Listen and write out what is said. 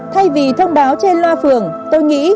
thay vì thông báo trên loa phường tôi nghĩ